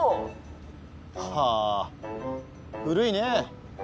はあ古いね。